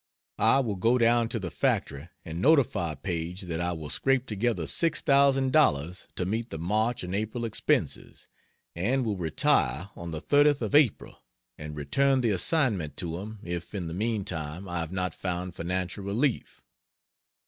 I will go down to the factory and notify Paige that I will scrape together $6,000 to meet the March and April expenses, and will retire on the 30th of April and return the assignment to him if in the meantime I have not found financial relief.